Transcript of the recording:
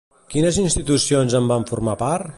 Quines institucions en van formar part?